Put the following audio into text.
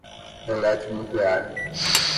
Eletronuclear